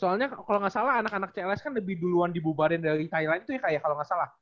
soalnya kalau gak salah anak anak cls kan lebih duluan dibubarin dari thailand tuh ya kak ya kalau gak salah